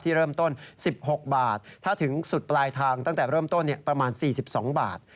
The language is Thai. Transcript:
เริ่มต้น๑๖บาทถ้าถึงสุดปลายทางตั้งแต่เริ่มต้นประมาณ๔๒บาท